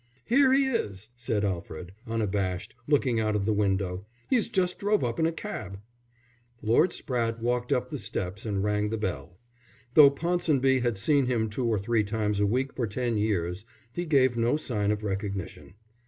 "Here he is!" said Alfred, unabashed, looking out of the window. "He's just drove up in a cab." Lord Spratte walked up the steps and rang the bell. Though Ponsonby had seen him two or three times a week for ten years, he gave no sign of recognition.